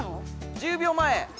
１０秒前！